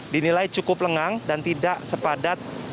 dinilai cukup lengang dan tidak sepadat